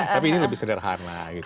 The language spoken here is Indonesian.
tapi ini lebih sederhana